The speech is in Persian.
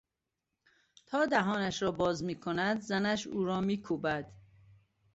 تا دهانش را باز میکند زنش او را میکوبد.